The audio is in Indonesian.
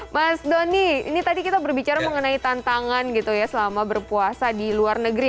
mas doni ini tadi kita berbicara mengenai tantangan gitu ya selama berpuasa di luar negeri